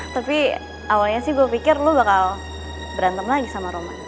tapi awalnya sih gue pikir lo bakal berantem lagi sama roman